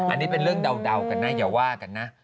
อันนี้เป็นเรื่องเดากันนะอย่าว่ากันนะ